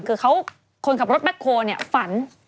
คือเขาคนขับรถแบ็คโฮเนี่ยฝัน